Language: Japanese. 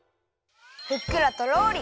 ふっくらとろり